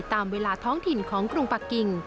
ตามเวลาท้องถิ่นของกรุงปะกิ่ง